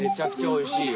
おいしい。